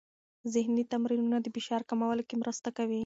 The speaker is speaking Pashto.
ذهني تمرینونه د فشار کمولو کې مرسته کوي.